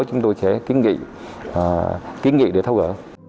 chúng tôi sẽ kiến nghị để thấu gỡ